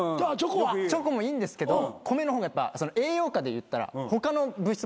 チョコもいいんですけど米の方が栄養価でいったら他の物質もいっぱい。